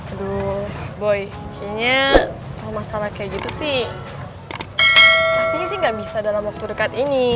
aduh boy kayaknya kalau masalah kayak gitu sih pastinya sih nggak bisa dalam waktu dekat ini